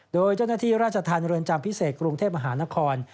โดยเจ้าหน้าที่ราชธรรมเรือนจำพิเศษกรุงเทพมหานคร